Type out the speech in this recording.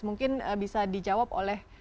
mungkin bisa dijawab oleh